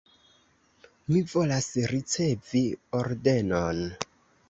Mi volas ricevi ordenon.